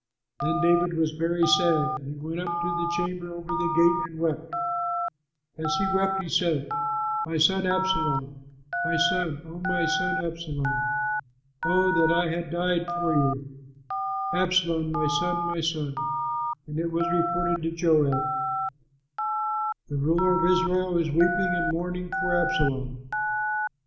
Then David was very sad and went up to the chamber over the gate and wept. As he wept he said, "My son Absalom, my son, O my son Absalom! Oh that I had died for you, Absalom, my son, my son!" And it was reported to Joab, "The ruler of Israel is weeping and mourning for Absalom."